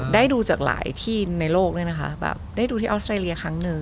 ได้ดูจากหลายที่ในโลกด้วยนะคะแบบได้ดูที่ออสเตรเลียครั้งหนึ่ง